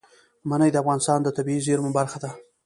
منی د افغانستان د طبیعي زیرمو برخه ده.